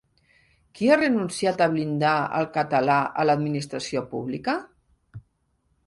Qui ha renunciat a blindar el català a l'administració pública?